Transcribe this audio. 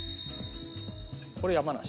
これ山梨。